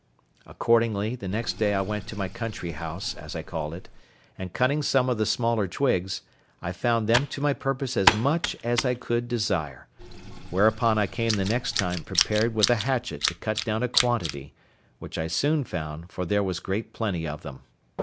Accordingly, the next day I went to my country house, as I called it, and cutting some of the smaller twigs, I found them to my purpose as much as I could desire; whereupon I came the next time prepared with a hatchet to cut down a quantity, which I soon found, for there was great plenty of them.